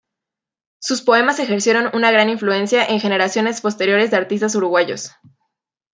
Sus poemas ejercieron una gran influencia en generaciones posteriores de artistas uruguayos.